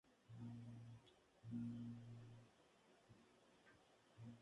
Se empezó a construir con la cúpula en esta nueva ubicación.